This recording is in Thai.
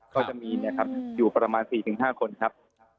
ก็จะมีเนี่ยครับอยู่ประมาณ๔๕คนครับ